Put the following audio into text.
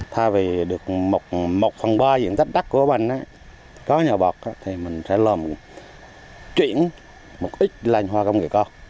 tha vì được một phần ba diện tích đắt của bệnh có nhà bọt thì mình sẽ làm chuyển một ít là hoa công nghệ cao